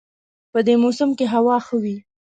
په دې موسم کې هوا ښه وي